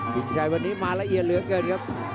กิจชัยวันนี้มาละเอียดเหลือเกินครับ